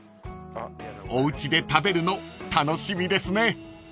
［おうちで食べるの楽しみですね］